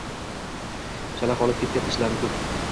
Chala qolib ketgan ishlarim ko’p.